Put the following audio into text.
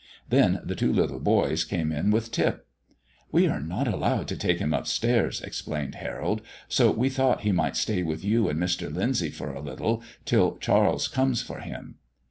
Then the two little boys came in with Tip. "We are not allowed to take him upstairs," explained Harold, "so we thought he might stay with you and Mr. Lyndsay for a little, till Charles comes for him."